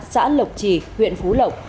xã lộc trì huyện phú lộc